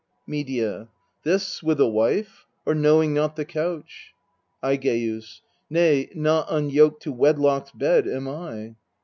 Medea. This, with a wife, or knowing not the couch ? Aigeus. Nay, not unyoked to wedlock's bed am I.